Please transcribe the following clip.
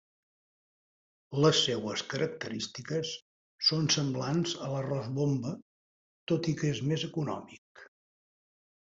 Les seues característiques són semblants a l'arròs Bomba, tot i que és més econòmic.